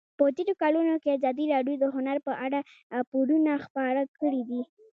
په تېرو کلونو کې ازادي راډیو د هنر په اړه راپورونه خپاره کړي دي.